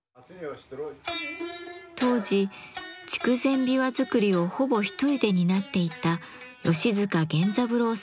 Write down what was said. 当時筑前琵琶作りをほぼ一人で担っていた吉塚元三郎さんに弟子入り。